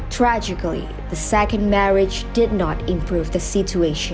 tragis perkahwinan kedua tidak memperbaiki situasi